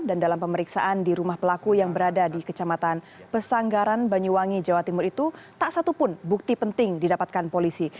dan dalam pemeriksaan di rumah pelaku yang berada di kecamatan pesanggaran banyuwangi jawa timur itu tak satupun bukti penting didapatkan polisi